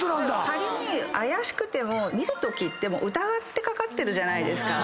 仮に怪しくても見るときって疑ってかかってるじゃない。